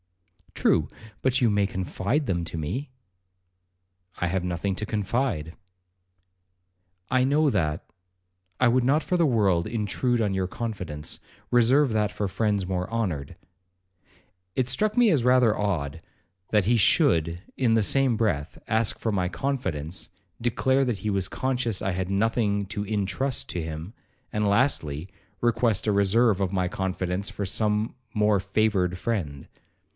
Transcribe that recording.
'True, but you may confide them to me.' 'I have nothing to confide.' 'I know that,—I would not for the world intrude on your confidence; reserve that for friends more honoured.' It struck me as rather odd, that he should, in the same breath, ask for my confidence,—declare that he was conscious I had nothing to intrust to him,—and, lastly, request a reserve of my confidence for some more favoured friend.